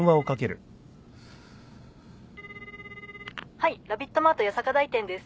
はいラビットマート八坂台店です。